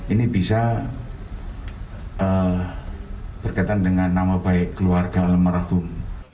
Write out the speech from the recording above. ini bisa berkaitan dengan nama baik keluarga almarhum